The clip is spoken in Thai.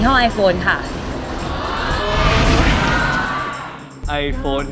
ไอโฟน๕เป็นไอโฟนรุ่นที่เท่าไหร่ของไอโฟน